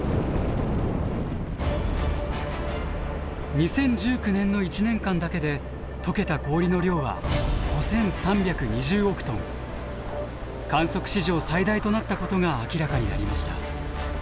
２０１９年の一年間だけで解けた氷の量は観測史上最大となったことが明らかになりました。